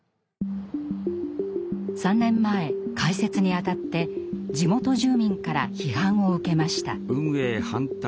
３年前、開設にあたって地元住民から批判を受けました。